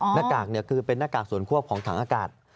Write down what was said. หน้ากากคือเป็นหน้ากากส่วนควบของถังอากาศ